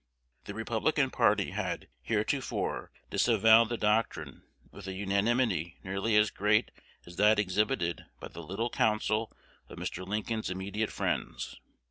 The Republican party had heretofore disavowed the doctrine with a unanimity nearly as great as that exhibited by the little council of Mr. Lincoln's immediate friends.